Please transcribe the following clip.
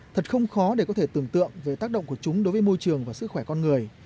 thật không khó để có thể tưởng tượng về tác động của chúng đối với môi trường và sức khỏe con người